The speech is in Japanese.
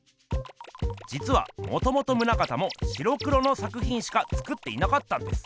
じつはもともと棟方も白黒の作ひんしか作っていなかったんです。